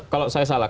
kalau saya salah